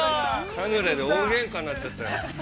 ◆カヌレで大げんかになっちゃったよ。